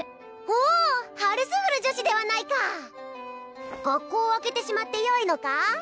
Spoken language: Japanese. おおっハルスフル女史ではないか学校を空けてしまってよいのか？